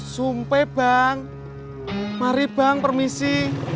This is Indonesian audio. sumpah bang mari bang permisi